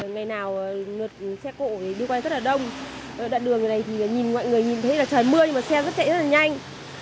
ngày nào lượt xe cộ thì đi qua đây rất là đông đoạn đường này thì mọi người nhìn thấy là trời mưa nhưng mà xe chạy rất là nhanh